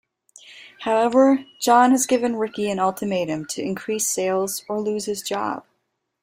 However, John has given Ricky an ultimatum to increase sales, or lose his job.